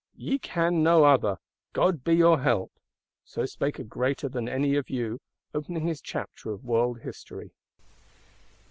"Ye can no other; God be your help!" So spake a greater than any of you; opening his Chapter of World History.